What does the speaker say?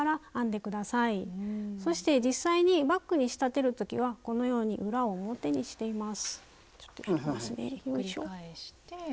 そして実際にバッグに仕立てる時はこのように裏を表にしています。